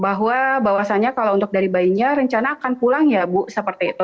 bahwasannya kalau untuk dari bayinya rencana akan pulang ya bu seperti itu